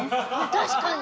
確かに！